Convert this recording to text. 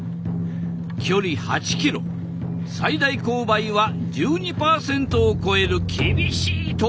距離８ｋｍ最大勾配は１２％を超える厳しい峠だ。